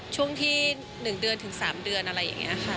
ช่วงที่๑เดือนถึง๓เดือนอะไรอย่างนี้ค่ะ